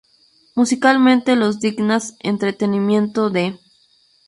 Musicalmente los dignas Entretenimiento de.